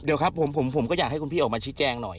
เดี๋ยวครับผมก็อยากให้คุณพี่ออกมาชี้แจงหน่อย